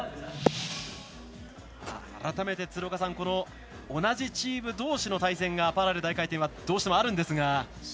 改めて、同じチームどうしの対戦がパラレル大回転はどうしてもあるんですが。